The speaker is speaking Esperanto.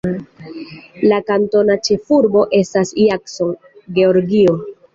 La kantona ĉefurbo estas Jackson, Georgio.